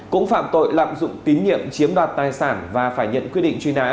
cũng phạm tội lạm dụng tín nhiệm chiếm đoạt tài sản và phải nhận quyết định truy nã